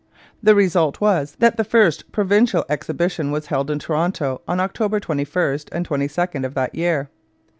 The result was that the first provincial exhibition was held in Toronto on October 21 and 22 of that year.